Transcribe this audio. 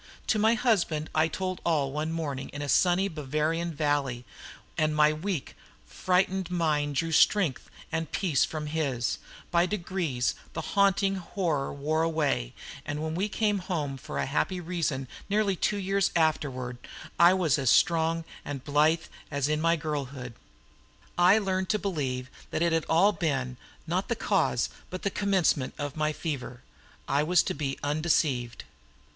To my husband I told all one morning in a sunny Bavarian valley, and my weak, frightened mind drew strength and peace from his; by degrees the haunting horror wore away, and when we came home for a happy reason nearly two years afterward, I was as strong and blithe as in my girlhood. I had learned to believe that it had all been, not the cause, but the commencement of my fever. I was to be undeceived.